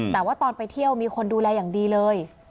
แต่ว่าตอนไปเที่ยวมีคนดูแลอย่างดีเลย